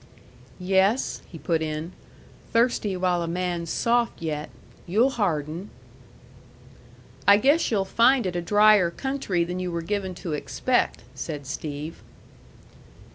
"Yes," he put in, "thirsty while a man's soft yet. You'll harden." "I guess you'll find it a drier country than you were given to expect," said Steve.